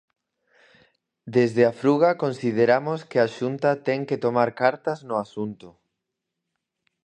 Desde a Fruga consideramos que a Xunta ten que tomar cartas no asunto.